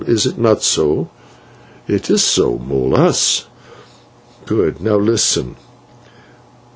Is it not so?" "It is so, Molas." "Good. Now listen.